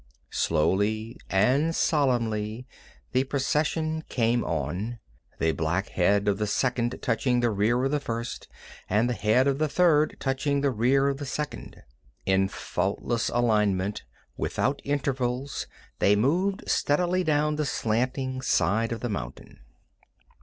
Slowly and solemnly the procession came on, the black head of the second touching the rear of the first, and the head of the third touching the rear of the second. In faultless alignment, without intervals, they moved steadily down the slanting side of the mountain.